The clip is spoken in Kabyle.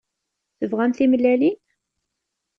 Tebɣam timellalin?